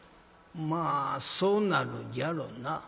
「まあそうなるじゃろな」。